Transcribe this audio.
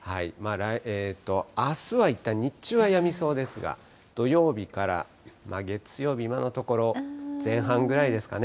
あすはいったん、日中はやみそうですが、土曜日から月曜日、今のところ前半ぐらいですかね。